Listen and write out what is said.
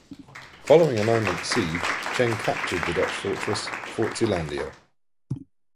Following a nine-month siege, Cheng captured the Dutch fortress Fort Zeelandia.